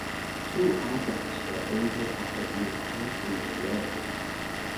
Two others were injured after being shot in the leg.